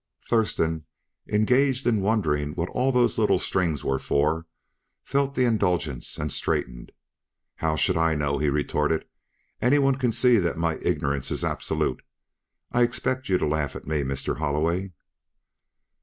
Thurston, engaged in wondering what all those little strings were for, felt the indulgence and straightened. "How should I know?" he retorted. "Anyone can see that my ignorance is absolute. I expect you to laugh at me, Mr. Holloway."